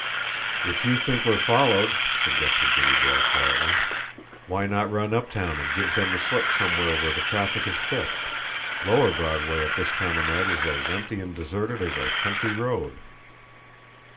"If you think we're followed," suggested Jimmie Dale quietly, "why not run uptown and give them the slip somewhere where the traffic is thick? Lower Broadway at this time of night is as empty and deserted as a country road."